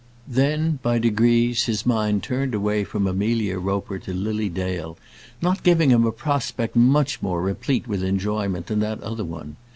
Then, by degrees, his mind turned away from Amelia Roper to Lily Dale, not giving him a prospect much more replete with enjoyment than that other one.